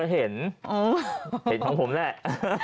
เห็นของผมแหละ